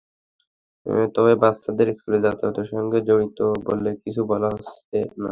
তবে বাচ্চাদের স্কুলে যাতায়াতের সঙ্গে জড়িত বলে কিছু বলা হচ্ছে না।